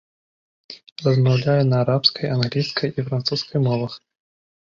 Размаўляе на арабскай, англійскай і французскай мовах.